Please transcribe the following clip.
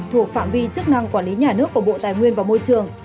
thuộc phạm vi chức năng quản lý nhà nước của bộ tài nguyên và môi trường